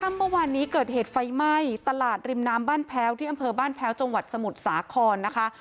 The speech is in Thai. เมื่อวานนี้เกิดเหตุไฟไหม้ตลาดริมน้ำบ้านแพ้วที่อำเภอบ้านแพ้วจังหวัดสมุทรสาครนะคะ